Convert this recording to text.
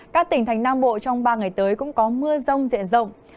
các tỉnh thành nam bộ trong ba ngày tới cũng có mưa rông diện rộng